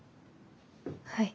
はい。